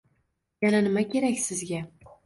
Yana nima kerak Sizga?